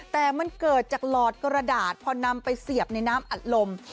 แต่มันเกิดจากหลอดกระดาษพอนำไปเสียบในน้ำอัดลม